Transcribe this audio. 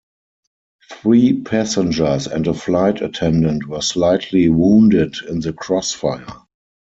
Three passengers and a flight attendant were slightly wounded in the crossfire.